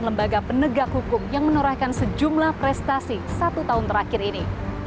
lembaga penegak hukum yang menorehkan sejumlah prestasi satu tahun terakhir ini